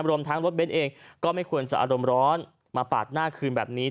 รวมทั้งรถเบ้นเองก็ไม่ควรจะอารมณ์ร้อนมาปาดหน้าคืนแบบนี้